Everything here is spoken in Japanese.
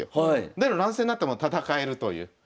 だけど乱戦になっても戦えるという。